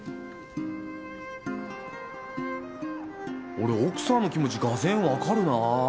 俺奥さんの気持ちがぜん分かるなあ。